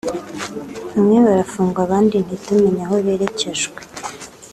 bamwe bagafungwa abandi ntitumenya aho berekejwe